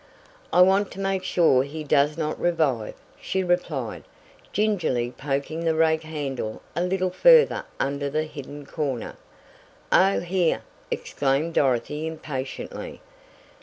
"I want to make sure he does not revive," she replied, gingerly poking the rake handle a little further under the hidden corner. "Oh, here," exclaimed Dorothy impatiently.